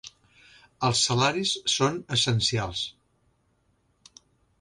Els salaris són essencials.